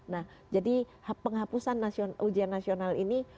nah jadi penghapusan ujian nasional ini